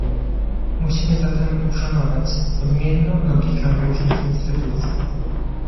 Musimy zatem uszanować odmienną logikę różnych instytucji